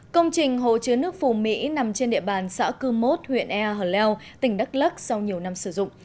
công trình hồ chứa nước phù mỹ nằm trên địa bàn xã cư mốt huyện ea hở leo tỉnh đắk lắc sau nhiều năm sử dụng